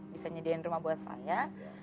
bisa nyediain rumah buat saya